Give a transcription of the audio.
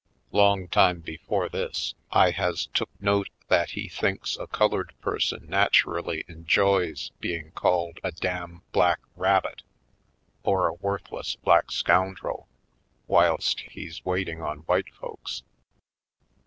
Long time before this I has took note that he thinks a colored person naturally enjoys being called "a dam black rabbit" or "a worthless black scoundrel" whilst he's waiting on white folks.